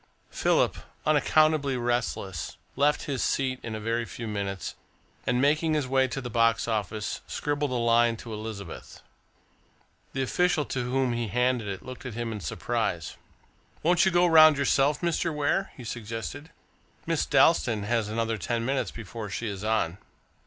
Philip, unaccountably restless, left his seat in a very few minutes, and, making his way to the box office, scribbled a line to Elizabeth. The official to whom he handed it looked at him in surprise. "Won't you go round yourself, Mr. Ware?" he suggested. "Miss Dalstan has another ten minutes before she is on."